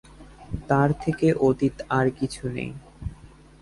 তাঁর থেকে অতীত আর কিছু নেই।